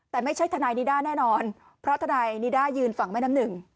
แต่ไม่ใช่ทนายนิด้าแน่นอนเพราะทนายนิด้ายืนฝั่งแม่น้ำหนึ่ง